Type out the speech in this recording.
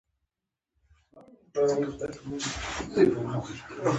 په دې بحث کې اداري او پوځي اصلاحاتو باندې رڼا اچوو.